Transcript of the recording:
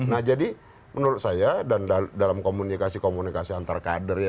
nah jadi menurut saya dan dalam komunikasi komunikasi antar kader ya